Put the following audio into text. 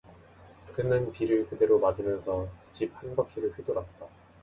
그는 비를 그대로 맞으면서 집 한 바퀴를 휘돌았다.